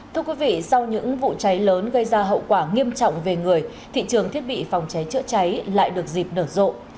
thưa quý vị sau những vụ cháy lớn gây ra hậu quả nghiêm trọng về người thị trường thiết bị phòng cháy chữa cháy lại được dịp nở rộ